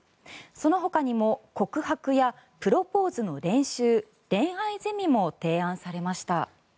そのほかにも告白やプロポーズの練習恋愛ゼミも提案されました。